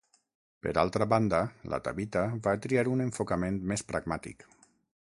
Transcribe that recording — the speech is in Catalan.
Per altra banda, la Tabitha va triar un enfocament més pragmàtic.